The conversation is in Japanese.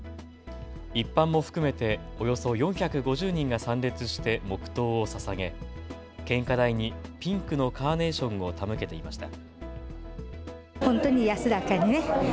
一般も含めておよそ４５０人が参列して黙とうをささげ献花台にピンクのカーネーションを手向けていました。